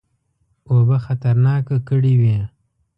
اوبه خطرناکه کړي وې.